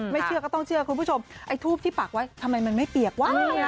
เชื่อก็ต้องเชื่อคุณผู้ชมไอ้ทูบที่ปากไว้ทำไมมันไม่เปียกวะ